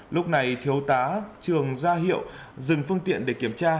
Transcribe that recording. lúc này thiếu tá trường ra hiệu dừng phương tiện để kiểm tra